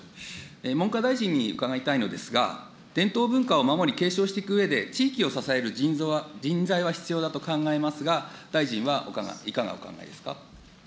文科大臣に伺いたいのですが、伝統文化を守り継承していくうえで、地域を支える人材は必要だと考えますが、大臣はいかがお考えですか。